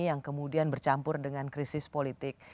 yang kemudian bercampur dengan krisis politik